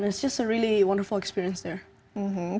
dan itu adalah pengalaman yang sangat menakjubkan